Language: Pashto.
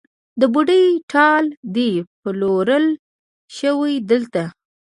د بوډۍ ټال دی پلورل شوی دلته